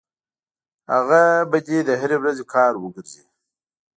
هغه به دې د هرې ورځې کار وګرځي.